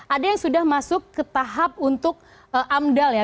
ada yang sudah masuk ke tahap untuk amdal ya